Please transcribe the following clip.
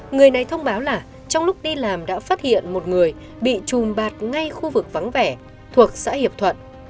người này thông báo là trong lúc đi làm đã phát hiện một người bị trùm bạt ngay khu vực vắng vẻ thuộc xã hiệp thuận